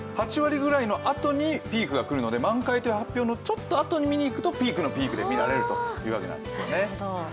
８割くらいのあとにピークが来るので満開という発表のちょっとあとに見に行くとピークのピークで見られるというわけなんですよね。